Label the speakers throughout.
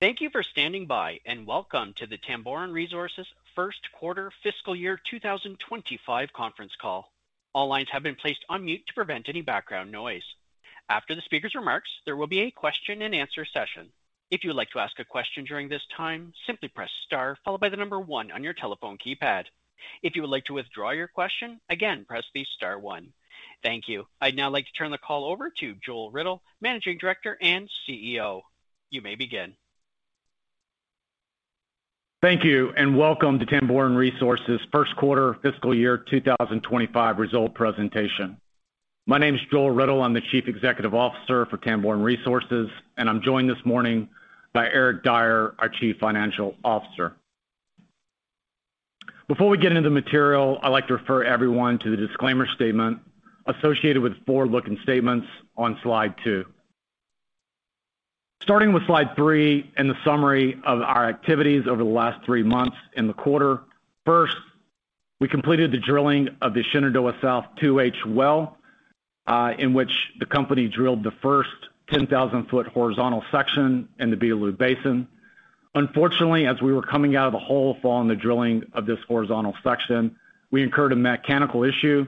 Speaker 1: Thank you for standing by, and welcome to the Tamboran Resources first quarter FY 2025 conference call. All lines have been placed on mute to prevent any background noise. After the speaker's remarks, there will be a question and answer session. If you would like to ask a question during this time, simply press star followed by the number one on your telephone keypad. If you would like to withdraw your question, again, press the star one. Thank you. I'd now like to turn the call over to Joel Riddle, Managing Director and CEO. You may begin.
Speaker 2: Thank you, and welcome to Tamboran Resources first quarter fiscal year 2025 result presentation. My name is Joel Riddle. I'm the Chief Executive Officer for Tamboran Resources, and I'm joined this morning by Eric Dyer, our Chief Financial Officer. Before we get into the material, I'd like to refer everyone to the disclaimer statement associated with forward-looking statements on slide two. Starting with slide three and the summary of our activities over the last three months in the quarter. First, we completed the drilling of the Shenandoah South 2H well, in which the company drilled the first 10,000 foot horizontal section in the Beetaloo Basin. Unfortunately, as we were coming out of the hole following the drilling of this horizontal section, we incurred a mechanical issue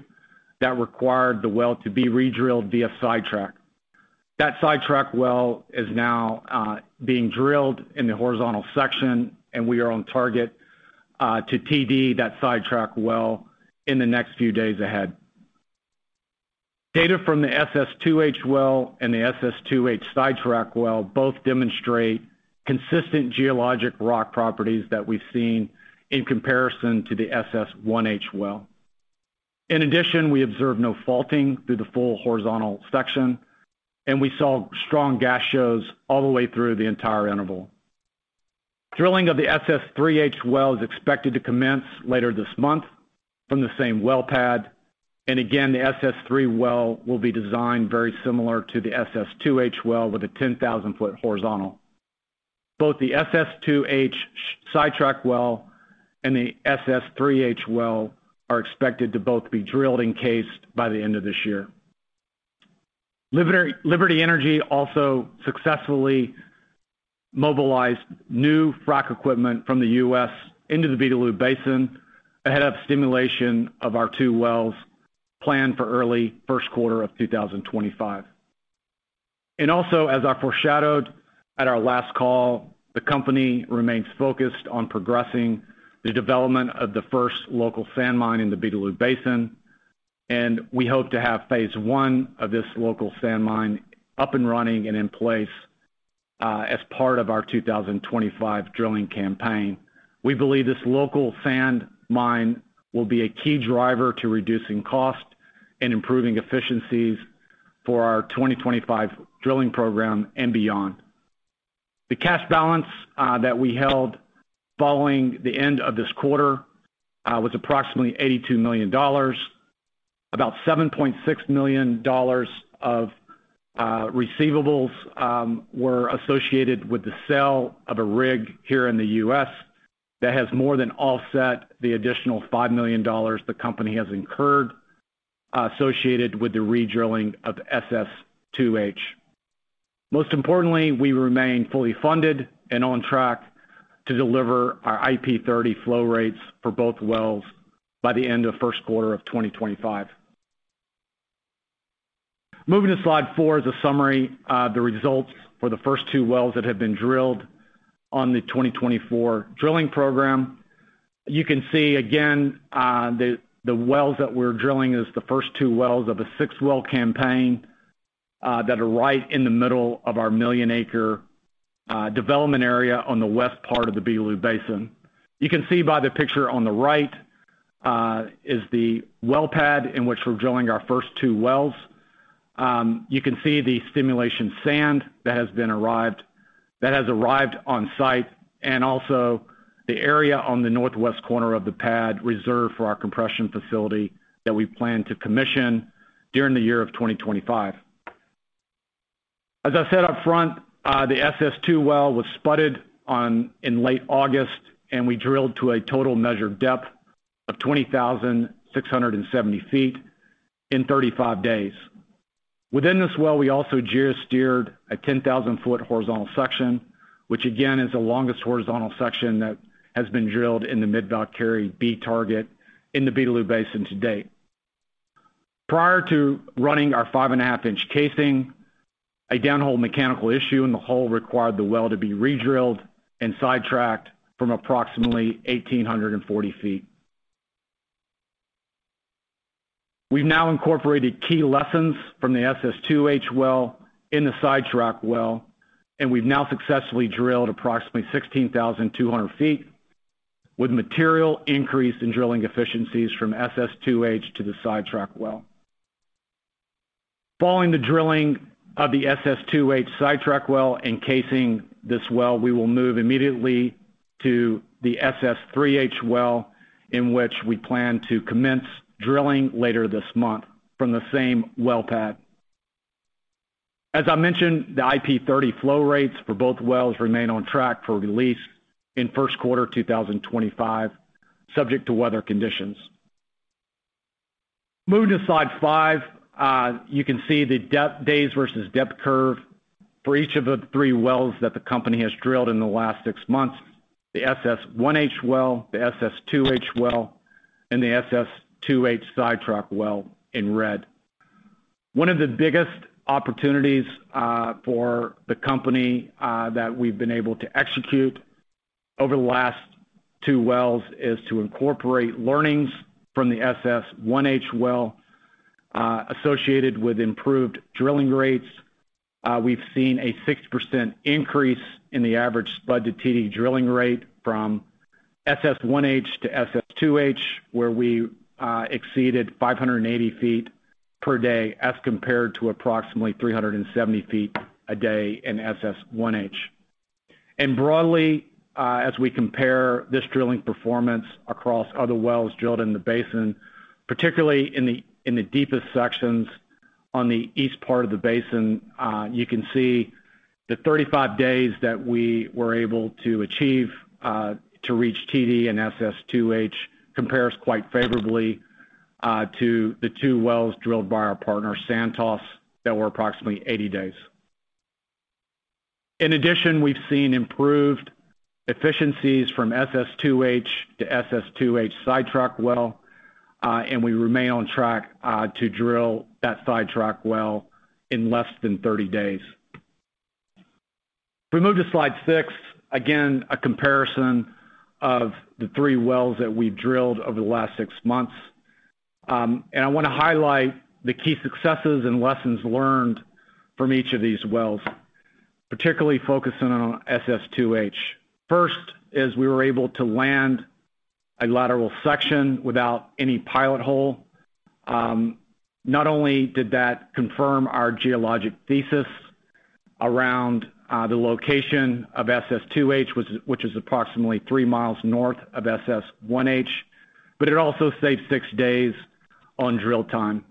Speaker 2: that required the well to be redrilled via sidetrack. That sidetrack well is now being drilled in the horizontal section, and we are on target to TD that sidetrack well in the next few days ahead. Data from the SS-2H well and the SS-2H sidetrack well both demonstrate consistent geologic rock properties that we've seen in comparison to the SS-1H well. In addition, we observed no faulting through the full horizontal section, and we saw strong gas shows all the way through the entire interval. Drilling of the SS-3H well is expected to commence later this month from the same well pad. Again, the SS-3H well will be designed very similar to the SS-2H well with a 10,000 foot horizontal. Both the SS-2H sidetrack well and the SS-3H well are expected to both be drilled and cased by the end of this year. Liberty Energy also successfully mobilized new frack equipment from the U.S. into the Beetaloo Basin ahead of stimulation of our two wells planned for early first quarter of 2025. Also, as I foreshadowed at our last call, the company remains focused on progressing the development of the first local sand mine in the Beetaloo Basin. We hope to have phase one of this local sand mine up and running and in place as part of our 2025 drilling campaign. We believe this local sand mine will be a key driver to reducing cost and improving efficiencies for our 2025 drilling program and beyond. The cash balance that we held following the end of this quarter was approximately 82 million dollars. About 7.6 million dollars of receivables were associated with the sale of a rig here in the U.S. that has more than offset the additional 5 million dollars the company has incurred associated with the redrilling of SS-2H. Most importantly, we remain fully funded and on track to deliver our IP30 flow rates for both wells by the end of first quarter of 2025. Moving to slide four is a summary of the results for the first two wells that have been drilled on the 2024 drilling program. You can see again, the wells that we're drilling is the first two wells of a 6-well campaign that are right in the middle of our 1 million acre development area on the west part of the Beetaloo Basin. You can see by the picture on the right, is the well pad in which we're drilling our first two wells. You can see the stimulation sand that has arrived on site and also the area on the northwest corner of the pad reserved for our compression facility that we plan to commission during the year of 2025. As I said up front, the SS-2H well was spudded on in late August, we drilled to a total measured depth of 20,670 feet in 35 days. Within this well, we also geosteered a 10,000 foot horizontal section, which again is the longest horizontal section that has been drilled in the Mid Velkerri B Shale target in the Beetaloo Basin to date. Prior to running our five and a half inch casing, a downhole mechanical issue in the hole required the well to be redrilled and sidetracked from approximately 1,840 feet. We've now incorporated key lessons from the SS-2H well in the sidetrack well, and we've now successfully drilled approximately 16,200 feet with material increase in drilling efficiencies from SS-2H to the sidetrack well. Following the drilling of the SS-2H sidetrack well and casing this well, we will move immediately to the SS-3H well, in which we plan to commence drilling later this month from the same well pad. As I mentioned, the IP30 flow rates for both wells remain on track for release in first quarter 2025, subject to weather conditions. Moving to slide five, you can see the days versus depth curve for each of the three wells that the company has drilled in the last six months. The SS-1H well, the SS-2H well, and the SS-2H sidetrack well in red. One of the biggest opportunities for the company that we've been able to execute over the last two wells is to incorporate learnings from the SS-1H well associated with improved drilling rates. We've seen a 6% increase in the average spud to TD drilling rate from SS-1H to SS-2H, where we exceeded 580 feet per day as compared to approximately 370 feet a day in SS-1H. Broadly, as we compare this drilling performance across other wells drilled in the basin, particularly in the deepest sections on the east part of the basin, you can see the 35 days that we were able to achieve to reach TD in SS-2H compares quite favorably to the two wells drilled by our partner, Santos, that were approximately 80 days. In addition, we've seen improved efficiencies from SS-2H to SS-2H sidetrack well, and we remain on track to drill that sidetrack well in less than 30 days. If we move to slide six, again, a comparison of the three wells that we've drilled over the last six months. I wanna highlight the key successes and lessons learned from each of these wells, particularly focusing on SS-2H. First is we were able to land a lateral section without any pilot hole. Not only did that confirm our geologic thesis around the location of SS-2H, which is approximately 3 miles north of SS-1H, but it also saved six days on drill time.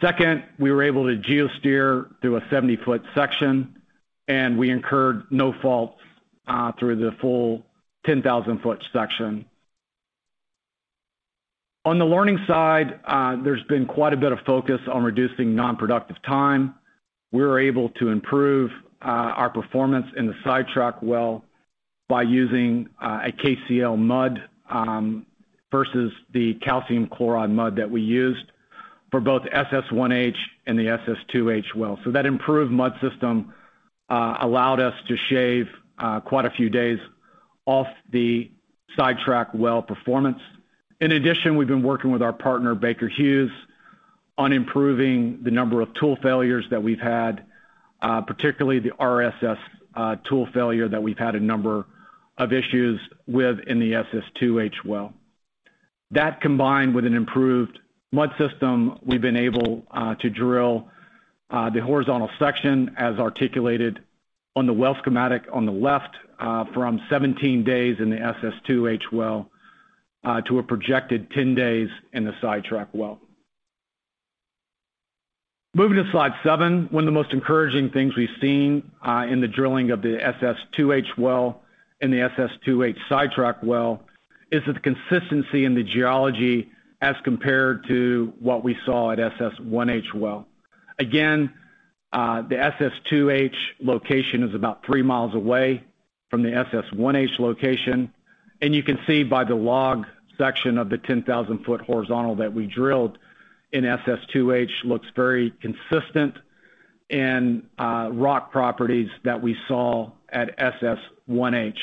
Speaker 2: Second, we were able to geo-steer through a 70-foot section, and we incurred no faults through the full 10,000-foot section. On the learning side, there's been quite a bit of focus on reducing non-productive time. We were able to improve our performance in the sidetrack well by using a KCl mud versus the calcium chloride mud that we used for both SS-1H and the SS-2H well. That improved mud system allowed us to shave quite a few days off the sidetrack well performance. In addition, we've been working with our partner, Baker Hughes, on improving the number of tool failures that we've had, particularly the RSS tool failure that we've had a number of issues with in the SS-2H well. That combined with an improved mud system, we've been able to drill the horizontal section as articulated on the well schematic on the left, from 17 days in the SS-2H well, to a projected 10 days in the sidetrack well. Moving to slide seven. One of the most encouraging things we've seen in the drilling of the SS-2H well and the SS-2H sidetrack well is the consistency in the geology as compared to what we saw at SS-1H well. The SS-2H location is about 3 miles away from the SS-1H location, and you can see by the log section of the 10,000-foot horizontal that we drilled in SS-2H looks very consistent in rock properties that we saw at SS-1H.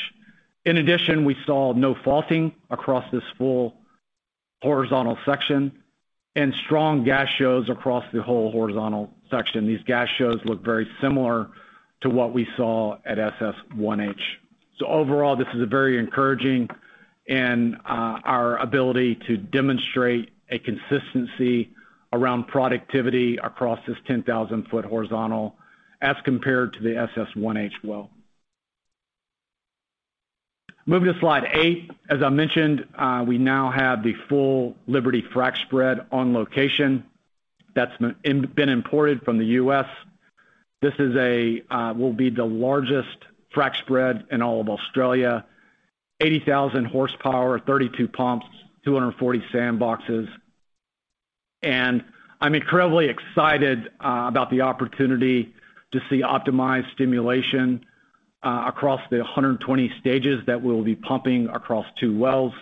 Speaker 2: In addition, we saw no faulting across this full horizontal section and strong gas shows across the whole horizontal section. These gas shows look very similar to what we saw at SS-1H. Overall, this is a very encouraging and our ability to demonstrate a consistency around productivity across this 10,000-foot horizontal as compared to the SS-1H well. Moving to slide eight. As I mentioned, we now have the full Liberty frac spread on location that's been imported from the U.S. This is a, will be the largest frac spread in all of Australia, 80,000 horsepower, 32 pumps, 240 sandboxes. I'm incredibly excited about the opportunity to see optimized stimulation across the 120 stages that we'll be pumping across two wells,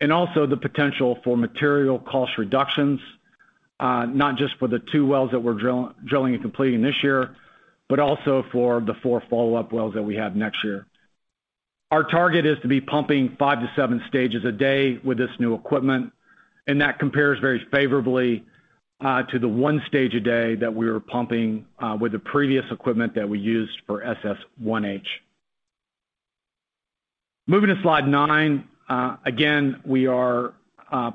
Speaker 2: and also the potential for material cost reductions, not just for the two wells that we're drilling and completing this year, but also for the four follow-up wells that we have next year. Our target is to be pumping five to seven stages a day with this new equipment, and that compares very favorably to the one stage a day that we were pumping with the previous equipment that we used for SS-1H. Moving to slide nine. Again, we are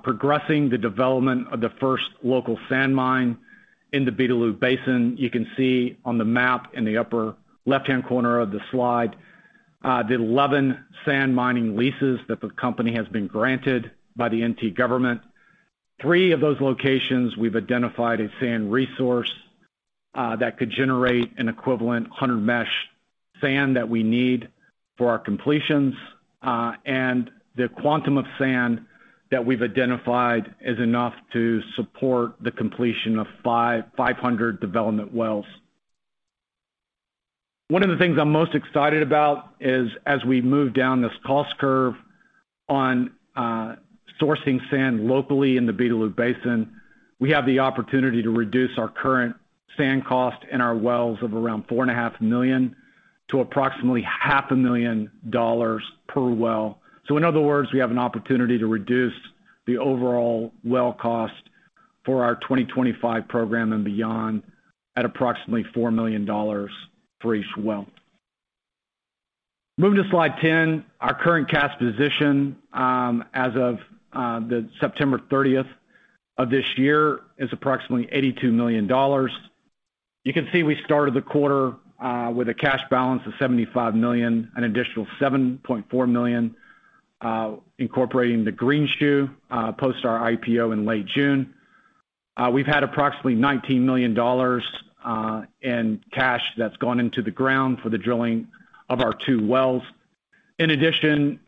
Speaker 2: progressing the development of the first local sand mine in the Beetaloo Basin. You can see on the map in the upper left-hand corner of the slide, the 11 sand mining leases that the company has been granted by the NT government. Three of those locations we've identified a sand resource. That could generate an equivalent 100 mesh sand that we need for our completions. And the quantum of sand that we've identified is enough to support the completion of 500 development wells. One of the things I'm most excited about is, as we move down this cost curve on sourcing sand locally in the Beetaloo Basin, we have the opportunity to reduce our current sand cost in our wells of around 4.5 million to approximately 0.5 million dollars per well. In other words, we have an opportunity to reduce the overall well cost for our 2025 program and beyond at approximately 4 million dollars for each well. Moving to slide 10, our current cash position as of the September 30th of this year is approximately 82 million dollars. You can see we started the quarter with a cash balance of 75 million, an additional 7.4 million incorporating the Greenshoe post our IPO in late June. We've had approximately 19 million dollars in cash that's gone into the ground for the drilling of our two wells. In addition,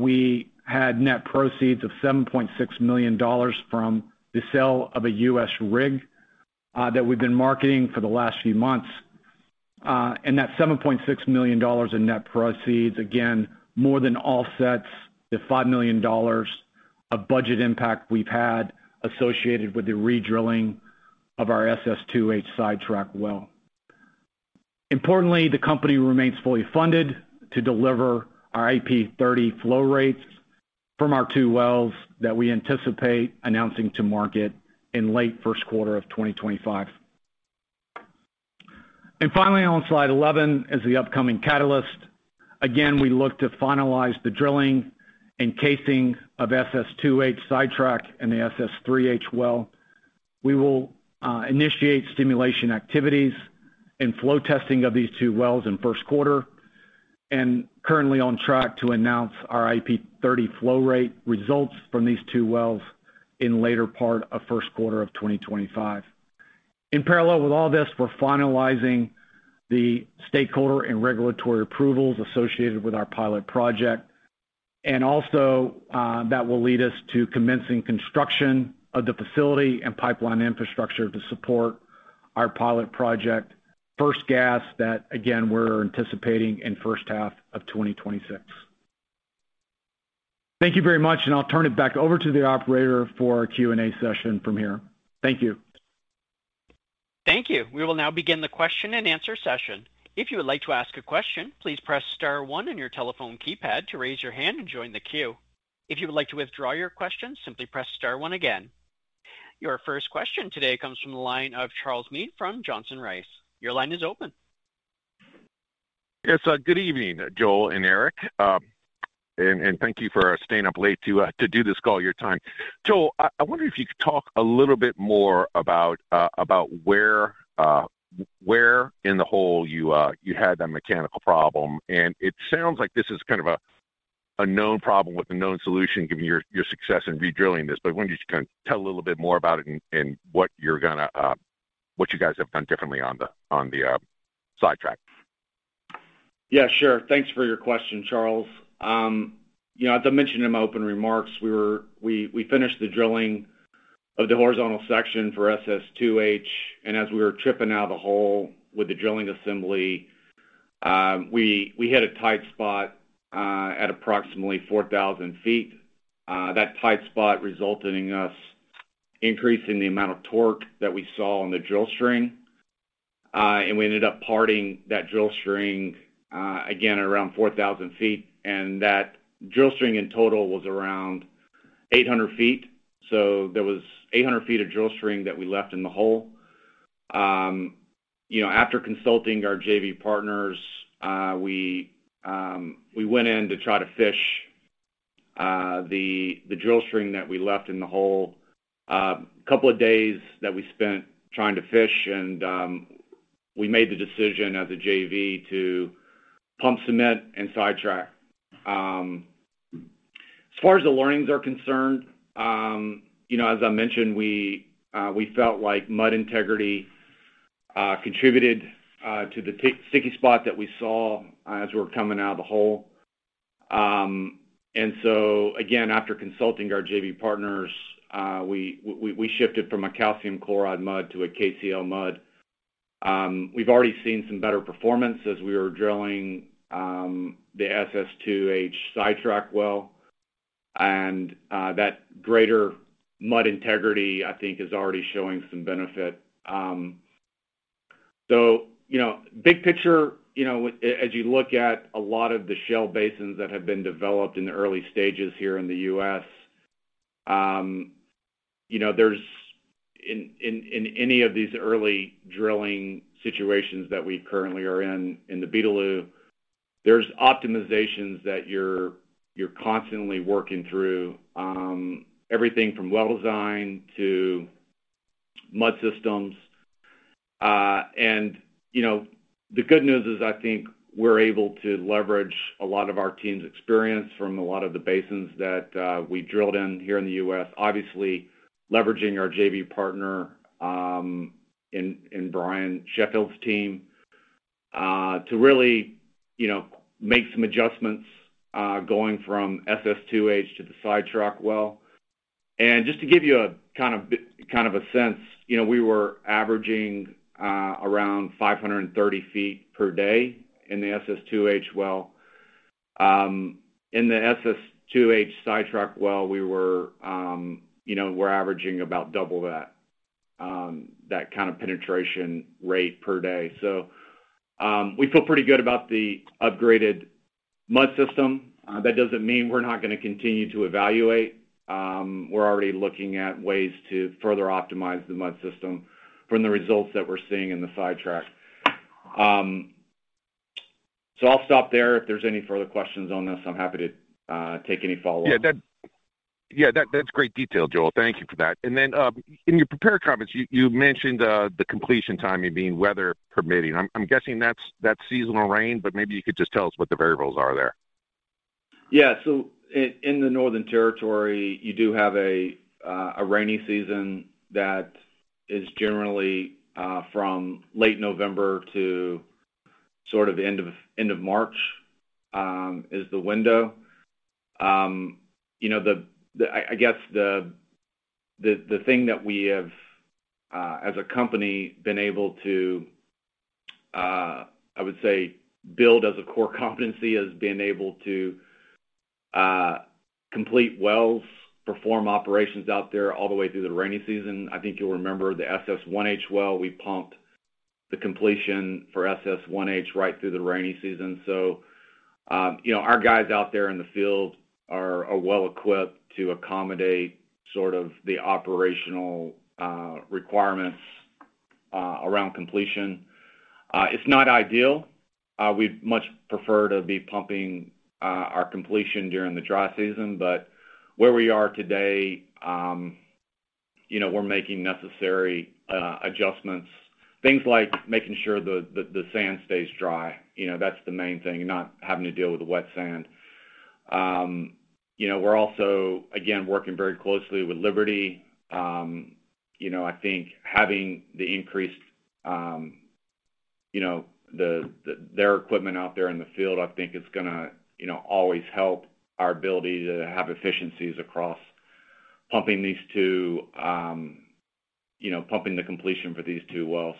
Speaker 2: we had net proceeds of 7.6 million dollars from the sale of a U.S. rig that we've been marketing for the last few months. That 7.6 million dollars in net proceeds, again, more than offsets the 5 million dollars of budget impact we've had associated with the redrilling of our SS-2H sidetrack well. Importantly, the company remains fully funded to deliver our IP30 flow rates from our two wells that we anticipate announcing to market in late first quarter of 2025. Finally, on slide 11 is the upcoming catalyst. Again, we look to finalize the drilling and casing of SS-2H sidetrack and the SS-3H well. We will initiate stimulation activities and flow testing of these two wells in first quarter, and currently on track to announce our IP30 flow rate results from these two wells in later part of first quarter of 2025. In parallel with all this, we're finalizing the stakeholder and regulatory approvals associated with our pilot project. Also, that will lead us to commencing construction of the facility and pipeline infrastructure to support our pilot project. First gas that, again, we're anticipating in first half of 2026. Thank you very much, and I'll turn it back over to the operator for our Q&A session from here. Thank you.
Speaker 1: Thank you. Your first question today comes from the line of Charles Mead from Johnson Rice. Your line is open.
Speaker 3: Yes. Good evening, Joel and Eric. Thank you for staying up late to do this call your time. Joel, I wonder if you could talk a little bit more about where in the hole you had that mechanical problem. It sounds like this is kind of a known problem with a known solution, given your success in redrilling this. I wonder if you could kinda tell a little bit more about it and what you're gonna what you guys have done differently on the sidetrack.
Speaker 2: Yeah, sure. Thanks for your question, Charles. you know, as I mentioned in my opening remarks, we finished the drilling of the horizontal section for SS-2H, and as we were tripping out of the hole with the drilling assembly, we hit a tight spot at approximately 4,000 feet. That tight spot resulted in us increasing the amount of torque that we saw on the drill string. We ended up parting that drill string again, around 4,000 feet. That drill string in total was around 800 feet. There was 800 feet of drill string that we left in the hole. you know, after consulting our JV partners, we went in to try to fish the drill string that we left in the hole. Couple of days that we spent trying to fish and we made the decision as a JV to pump cement and sidetrack. As far as the learnings are concerned, you know, as I mentioned, we felt like mud integrity contributed to the sticky spot that we saw as we were coming out of the hole. Again, after consulting our JV partners, we shifted from a calcium chloride mud to a KCl mud. We've already seen some better performance as we were drilling the SS-2H sidetrack well. That greater mud integrity I think is already showing some benefit. You know, big picture, you know, as you look at a lot of the shale basins that have been developed in the early stages here in the U.S., you know, in any of these early drilling situations that we currently are in the Beetaloo Basin, there's optimizations that you're constantly working through, everything from well design to mud systems. You know. The good news is I think we're able to leverage a lot of our team's experience from a lot of the basins that we drilled in here in the U.S. Obviously, leveraging our JV partner, in Bryan Sheffield's team, to really, you know, make some adjustments going from SS-2H to the sidetrack well. Just to give you a kind of a sense, we were averaging around 530 feet per day in the SS-2H well. In the SS-2H sidetrack well, we were, we're averaging about double that kind of penetration rate per day. We feel pretty good about the upgraded mud system. That doesn't mean we're not gonna continue to evaluate. We're already looking at ways to further optimize the mud system from the results that we're seeing in the sidetrack. I'll stop there. If there's any further questions on this, I'm happy to take any follow-up.
Speaker 3: That's great detail, Joel. Thank you for that. In your prepared comments, you mentioned the completion timing being weather permitting. I'm guessing that's seasonal rain, but maybe you could just tell us what the variables are there?
Speaker 2: Yeah. In the Northern Territory, you do have a rainy season that is generally from late November to sort of end of March is the window. You know, I guess the thing that we have as a company been able to, I would say build as a core competency is being able to complete wells, perform operations out there all the way through the rainy season. I think you'll remember the SS-1H well, we pumped the completion for SS-1H right through the rainy season. You know, our guys out there in the field are well equipped to accommodate sort of the operational requirements around completion. It's not ideal. We'd much prefer to be pumping our completion during the dry season. Where we are today, you know, we're making necessary adjustments. Things like making sure the sand stays dry. You know, that's the main thing, not having to deal with the wet sand. You know, we're also, again, working very closely with Liberty. You know, I think having the increased, you know, their equipment out there in the field, I think is gonna, you know, always help our ability to have efficiencies across pumping these two, you know, pumping the completion for these two wells.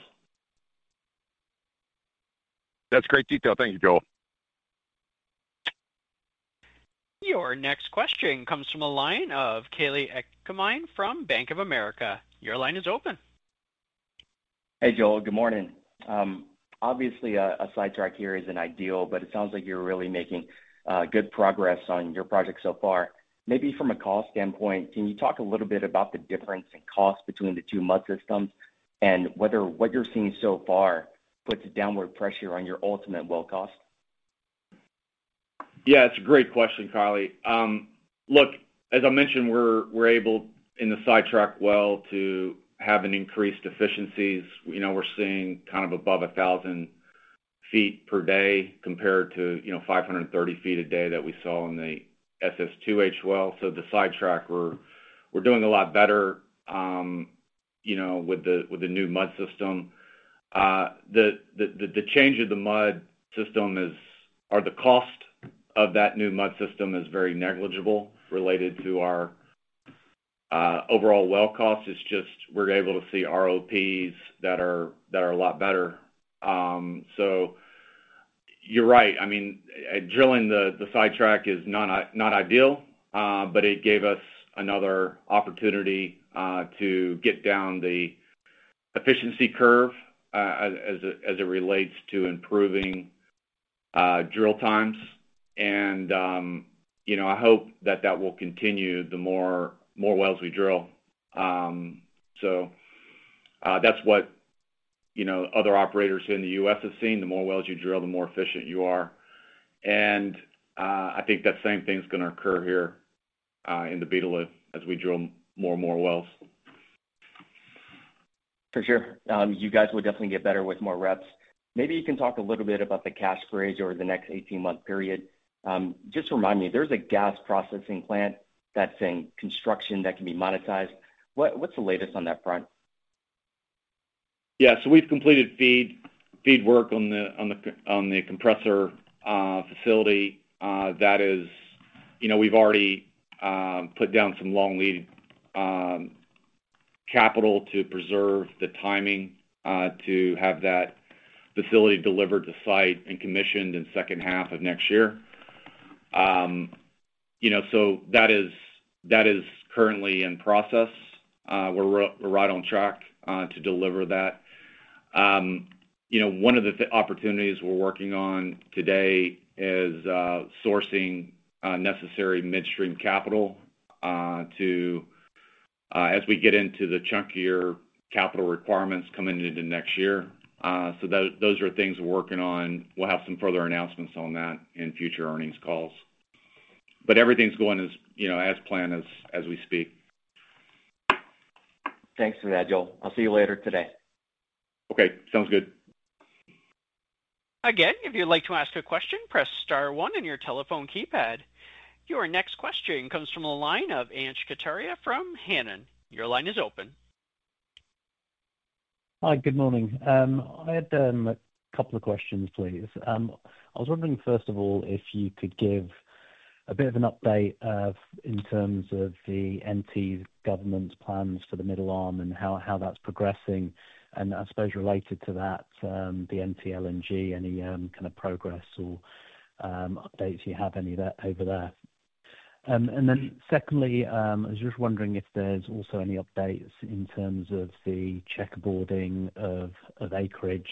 Speaker 3: That's great detail. Thank you, Joel.
Speaker 1: Your next question comes from the line of Kalei Akamine from Bank of America. Your line is open.
Speaker 4: Hey, Joel. Good morning. Obviously, a sidetrack here isn't ideal, but it sounds like you're really making good progress on your project so far. Maybe from a cost standpoint, can you talk a little bit about the difference in cost between the two mud systems and whether what you're seeing so far puts a downward pressure on your ultimate well cost?
Speaker 2: Yeah, it's a great question, Kalei. Look, as I mentioned, we're able, in the sidetrack well, to have an increased efficiencies. You know, we're seeing kind of above 1,000 feet per day compared to, you know, 530 feet a day that we saw in the SS-2H well. The sidetrack, we're doing a lot better, you know, with the new mud system. The change of the mud system or the cost of that new mud system is very negligible related to our overall well cost. It's just we're able to see ROPs that are a lot better. You're right. I mean, drilling the sidetrack is not ideal, but it gave us another opportunity to get down the efficiency curve as it relates to improving drill times. You know, I hope that that will continue the more wells we drill. That's what, you know, other operators in the U.S. have seen. The more wells you drill, the more efficient you are. I think that same thing's gonna occur here in the Beetaloo as we drill more and more wells.
Speaker 4: For sure. You guys will definitely get better with more reps. Maybe you can talk a little bit about the cash raise over the next 18-month period. Just remind me, there's a gas processing plant that's in construction that can be monetized. What's the latest on that front?
Speaker 2: Yeah. We've completed FEED work on the compressor facility. You know, we've already put down some long-lead capital to preserve the timing to have that facility delivered to site and commissioned in second half of next year. You know, that is currently in process. We're right on track to deliver that. You know, one of the opportunities we're working on today is sourcing necessary midstream capital as we get into the chunkier capital requirements coming into next year. Those are things we're working on. We'll have some further announcements on that in future earnings calls. Everything's going as, you know, as planned as we speak.
Speaker 4: Thanks for that, Joel. I'll see you later today.
Speaker 2: Okay, sounds good.
Speaker 1: Again, if you'd like to ask a question, press star one on your telephone keypad. Your next question comes from the line of Anish Kapadia from Hannam. Your line is open.
Speaker 5: Hi. Good morning. I had a couple of questions, please. I was wondering, first of all, if you could give a bit of an update in terms of the NT government's plans for the Middle Arm and how that's progressing. I suppose related to that, the NTLNG, any kind of progress or updates you have over there. Then secondly, I was just wondering if there's also any updates in terms of the checkerboarding of acreage,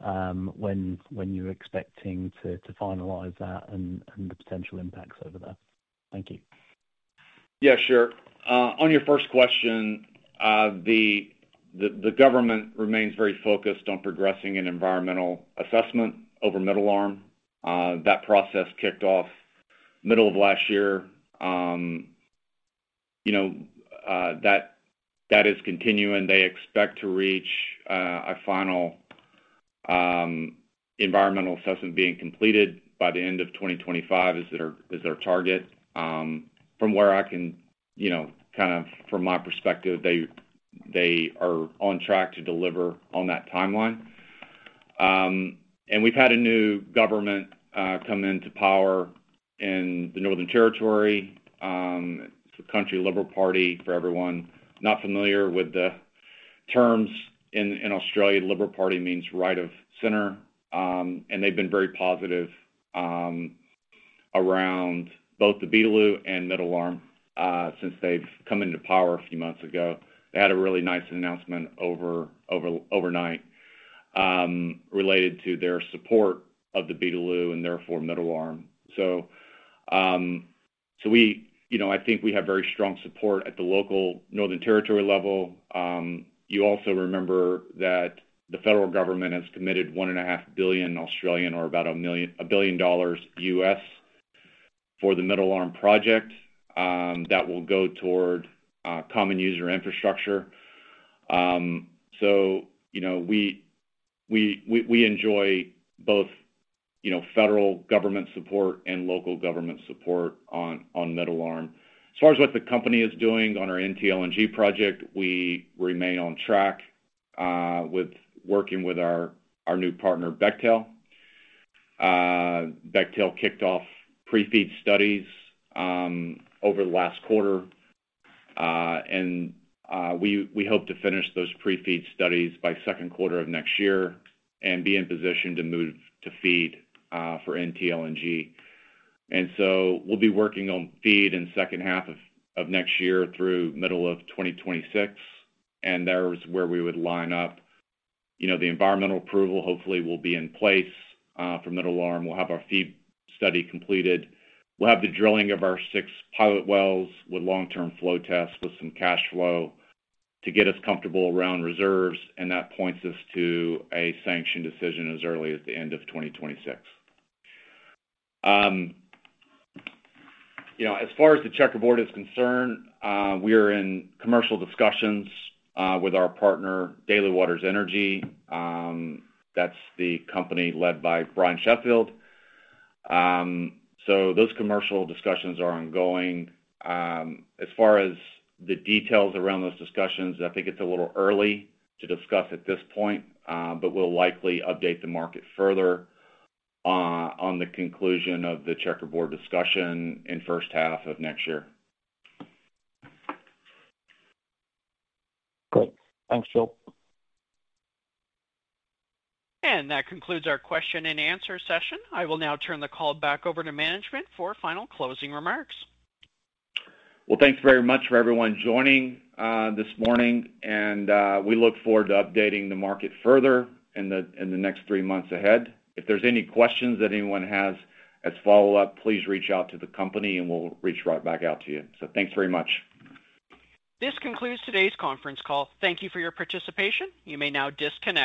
Speaker 5: when you're expecting to finalize that and the potential impacts over there. Thank you.
Speaker 2: Yeah, sure. On your first question, the government remains very focused on progressing an environmental assessment over Middle Arm. That process kicked off middle of last year. You know, that is continuing. They expect to reach a final environmental assessment being completed by the end of 2025 is their target. From where I can, you know, kind of from my perspective, they are on track to deliver on that timeline. We've had a new government come into power in the Northern Territory, it's the Country Liberal Party for everyone not familiar with the terms. In Australia, Liberal Party means right of center, they've been very positive around both the Beetaloo and Middle Arm since they've come into power a few months ago. They had a really nice announcement overnight related to their support of the Beetaloo and therefore Middle Arm. You know, I think we have very strong support at the local Northern Territory level. You also remember that the federal government has committed one and a half billion Australian or about billion dollar U.S. for the Middle Arm project that will go toward common user infrastructure. You know, we enjoy both, you know, federal government support and local government support on Middle Arm. As far as what the company is doing on our NTLNG project, we remain on track with working with our new partner, Bechtel. Bechtel kicked off pre-FEED studies over the last quarter, and we hope to finish those pre-FEED studies by second quarter of next year and be in position to move to FEED for NTLNG. We'll be working on FEED in second half of next year through middle of 2026, and there's where we would line up. You know, the environmental approval hopefully will be in place for Middle Arm. We'll have our FEED study completed. We'll have the drilling of our six pilot wells with long-term flow tests with some cash flow to get us comfortable around reserves, and that points us to a sanction decision as early as the end of 2026. You know, as far as the checkerboard is concerned, we're in commercial discussions with our partner, Daly Waters Energy, that's the company led by Bryan Sheffield. Those commercial discussions are ongoing. As far as the details around those discussions, I think it's a little early to discuss at this point, but we'll likely update the market further on the conclusion of the checkerboard discussion in first half of next year.
Speaker 5: Great. Thanks, Joel.
Speaker 1: That concludes our question and answer session. I will now turn the call back over to management for final closing remarks.
Speaker 2: Well, thanks very much for everyone joining this morning. We look forward to updating the market further in the next three months ahead. If there's any questions that anyone has as follow-up, please reach out to the company. We'll reach right back out to you. Thanks very much.
Speaker 1: This concludes today's conference call. Thank you for your participation. You may now disconnect.